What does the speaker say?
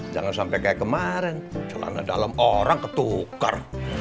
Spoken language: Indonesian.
jangan sampe kayak kemaren celana dalam orang ketukar